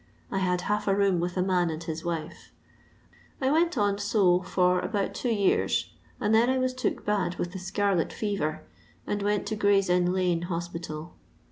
I had half a room with a man and his wifo ; I went on so for about two years, and then I was took bad with the scarlet fever and went to Gray's inn lane hospital.